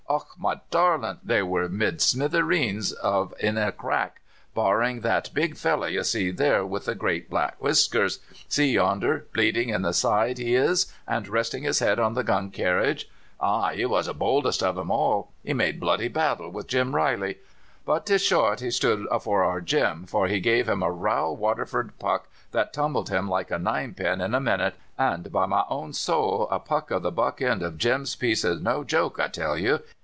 Och, my darlint! they were made smiddreens of in a crack, barring that big fellow you see there, with the great black whiskers see yonder bleeding in the side, he is, and resting his head on the gun carriage. Ah! he was the bouldest of them all. He made bloody battle with Jim Reilly; but 'tis short he stood afore our Jim, for he gave him a raal Waterford puck that tumbled him like a ninepin in a minute; and, by my own sowl, a puck of the butt end of Jim's piece is no joke, I tell you!